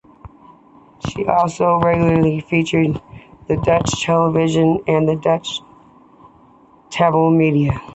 She is also regularly featured on Dutch television and in Dutch tabloid media.